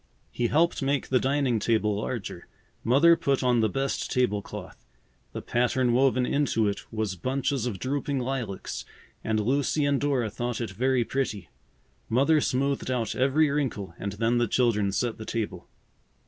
He helped make the dining table larger. Mother put on the best table cloth. The pattern woven into it was bunches of drooping lilacs and Lucy and Dora thought it very pretty. Mother smoothed out every wrinkle and then the children set the table.